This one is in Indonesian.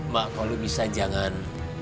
mbak kalau bisa jangan